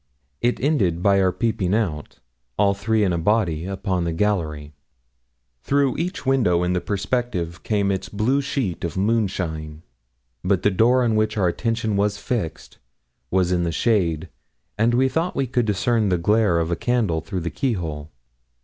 It ended by our peeping out, all three in a body, upon the gallery. Through each window in the perspective came its blue sheet of moonshine; but the door on which our attention was fixed was in the shade, and we thought we could discern the glare of a candle through the key hole.